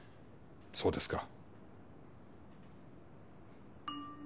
そうですか。